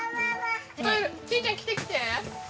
ちーちゃん来て来て。